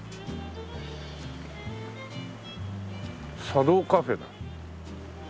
「茶道カフェ」だ。